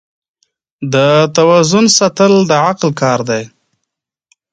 د توازن ساتل د عقل کار دی.